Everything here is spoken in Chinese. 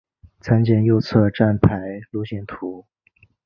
参见右侧站牌路线图。